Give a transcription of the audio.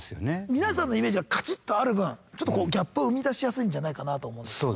皆さんのイメージがカチッとある分ちょっとギャップを生み出しやすいんじゃないかなと思うんですけど。